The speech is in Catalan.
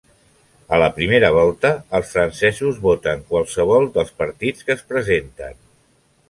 A la primera volta, els francesos voten qualsevol dels partits que es presenten.